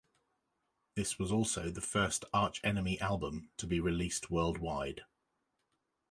This was also the first Arch Enemy album to be released worldwide.